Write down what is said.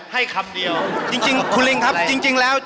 ให้คำเดียว